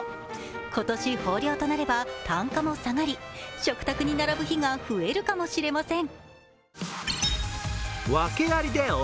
今年、豊漁となれば単価も下がり食卓に並ぶ日が増えるかもしれません。